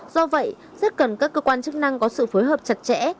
do vậy rất cần các cơ quan chức năng có sự phối hợp chặt chẽ